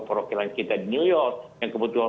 perwakilan kita di new york yang kebetulan